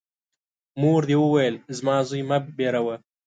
مور دي وویل : زما زوی مه بېروه!